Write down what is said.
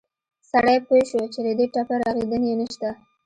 سړى پوى شو چې له دې ټپه رغېدن يې نه شته.